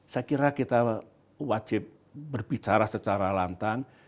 saya kira kita wajib berbicara secara lantang